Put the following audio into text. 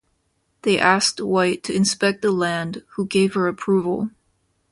They asked White to inspect the land, who gave her approval.